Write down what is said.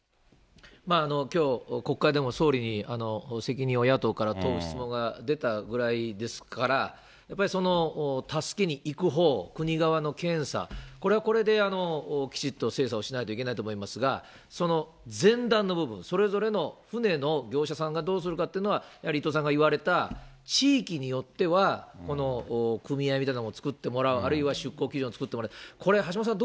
まあ、きょう、国会でも総理に責任を野党から問う質問が出たぐらいですから、やっぱり助けに行くほう、国側の検査、これはこれできちっと精査をしないといけないと思いますが、その前段の部分、それぞれの船の業者さんがどうするかっていうのは、やはり伊藤さん言われた、地域によっては、この組合みたいなものを作ってもらう、あるいは出航基準を作ってもらう、これは橋下さん